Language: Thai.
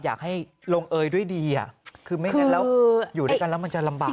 อยากให้ลงเอยด้วยดีคือไม่งั้นแล้วอยู่ด้วยกันแล้วมันจะลำบาก